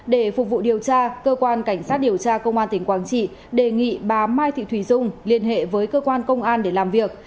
để phục vụ điều tra cơ quan cảnh sát điều tra công an tỉnh quảng trị đề nghị bà mai thị thùy dung liên hệ với cơ quan công an để làm việc